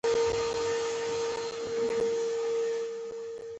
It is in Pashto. د دولت او سیاسي قدرت په تصرف کوونکي ځواک بدل شو.